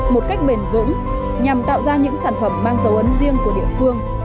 một cách bền vững nhằm tạo ra những sản phẩm mang dấu ấn riêng của địa phương